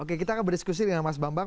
oke kita akan berdiskusi dengan mas bambang